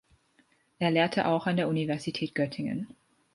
Er lehrte auch an der Universität Göttingen.